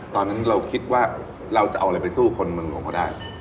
ตอนนั้นเราคิดว่าเราจะเอาอะไรไปสู้คนเมืองหลวงก็ได้